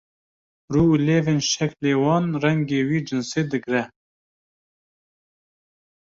rû û lêvên şeklê wan rengê wî cinsê digre